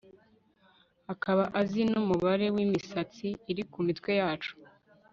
akaba azi numubare wimisatsi iri ku mitwe yacu